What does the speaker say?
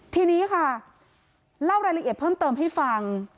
ทีนี้ค่ะเล่ารายละเอียดเพิ่มเติมให้ฟัง